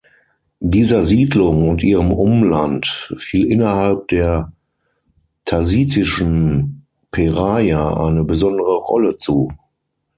Dieser Siedlung und ihrem Umland fiel innerhalb der thasitischen Peraia eine besondere Rolle zu.